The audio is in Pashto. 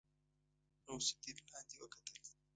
غوث الدين لاندې وکتل.